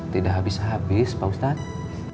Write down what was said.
tidak habis habis pak ustadz